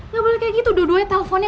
gak boleh kayak gitu dua duanya telponnya